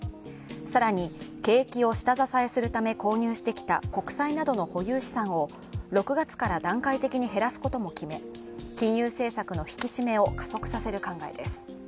更に景気を下支えするため購入してきた国債などの保有資産を６月から段階的に減らすことも決め、金融政策の引き締めを加速させる考えです。